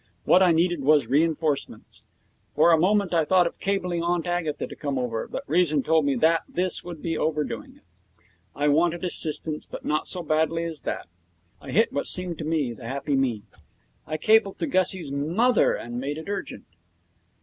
What I needed was reinforcements. For a moment I thought of cabling Aunt Agatha to come over, but reason told me that this would be overdoing it. I wanted assistance, but not so badly as that. I hit what seemed to me the happy mean. I cabled to Gussie's mother and made it urgent.